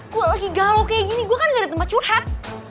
gue lagi galau kayak gini gue kan gak ada tempat curhat